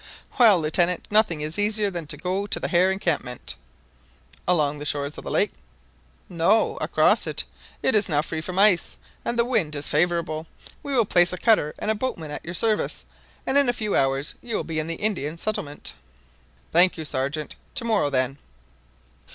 "Well, Lieutenant, nothing is easier than to go to the Hare encampment." "Along the shores of the lake?" "No, across it; it is now free from ice, and the wind is favourable. We will place a cutter and a boatman at your service, and in a few hours you will be in the Indian settlement." "Thank you, Sergeant; to morrow, then."